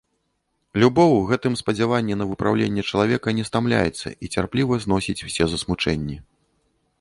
Любоў у гэтым спадзяванні на выпраўленне чалавека не стамляецца і цярпліва зносіць усе засмучэнні.